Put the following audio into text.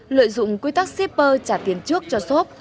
lợi dụng quy tắc shipper trả tiền trước cho shop